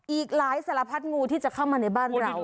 อีกหลายสารพัดงูที่จะเข้ามาในบ้านเรา